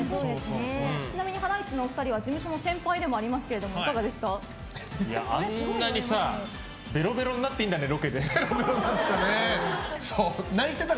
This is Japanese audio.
ちなみにハライチのお二人は事務所の先輩でもありますがいかがですか？